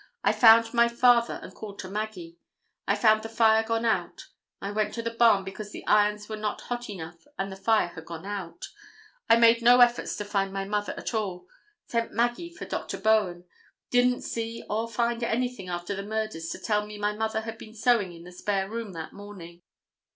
I found my father and called to Maggie. I found the fire gone out. I went to the barn because the irons were not hot enough and the fire had gone out. I made no efforts to find my mother at all. Sent Maggie for Dr. Bowen. Didn't see or find anything after the murders to tell me my mother had been sewing in the spare room that morning."